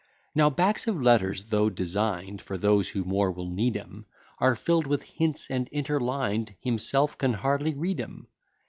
Now backs of letters, though design'd For those who more will need 'em, Are fill'd with hints, and interlined, Himself can hardly read 'em.